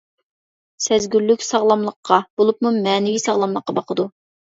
سەزگۈرلۈك ساغلاملىققا بولۇپمۇ مەنىۋى ساغلاملىققا باقىدۇ.